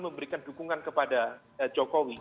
memberikan dukungan kepada jokowi